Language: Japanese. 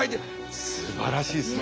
すばらしいっすね。